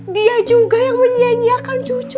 dia juga yang menyianyiakan cucu ceh